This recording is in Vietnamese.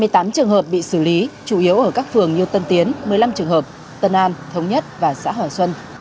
hai mươi tám trường hợp bị xử lý chủ yếu ở các phường như tân tiến một mươi năm trường hợp tân an thống nhất và xã hòa xuân